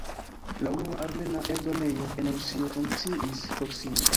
La unua armena eldonejo en Rusio funkciis proksime.